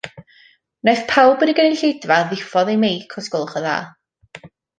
Wnaiff pawb yn y gynulleidfa ddiffodd eu meic os gwelwch yn dda.